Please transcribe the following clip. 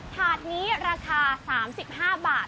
ถาดนี้ราคา๓๕บาท